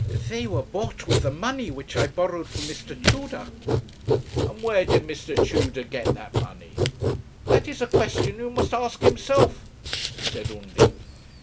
'They were bought with the money which I borrowed from Mr. Tudor.' 'And where did Mr. Tudor get that money?' 'That is a question you must ask himself,' said Undy.